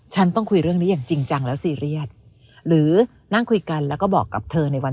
ฉันต้องคุยเรื่องนี้อย่างจริงจังแล้วซีเรียสหรือนั่งคุยกันแล้วก็บอกกับเธอในวัน